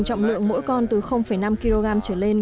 trọng lượng mỗi con từ năm kg trở lên